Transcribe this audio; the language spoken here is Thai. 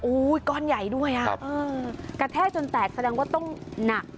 อู๋ก้อนใหญ่ด้วยอ่ะครับเออกระแทะจนแตกแสดงว่าต้องหนัก